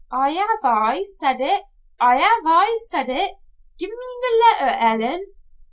"I ha'e aye said it. I ha'e aye said it. Gie me the letter, Ellen."